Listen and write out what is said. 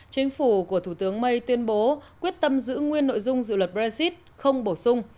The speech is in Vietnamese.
chính phủ của thủ tướng may tuyên bố quyết tâm giữ nguyên nội dung dự luật brexit không bổ sung